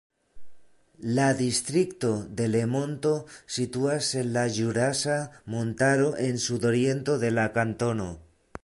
La Distrikto Delemonto situas en la Ĵurasa Montaro en sudoriento de la kantono.